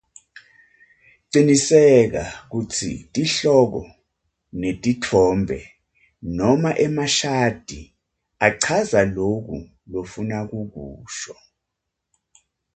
Ciniseka kutsi tihloko netitfombe noma emashadi achaza loku lofuna kukusho.